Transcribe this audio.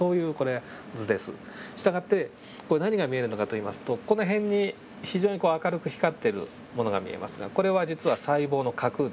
従って何が見えるのかといいますとこの辺に非常に明るく光っているものが見えますがこれは実は細胞の核です。